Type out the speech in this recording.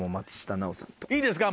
いいですか？